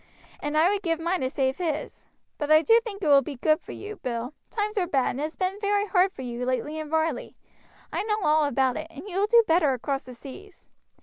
and I would give mine to save his. But I do think it will be good for you, Bill; times are bad, and it has been very hard for you lately in Varley. I know all about it, and you will do better across the seas.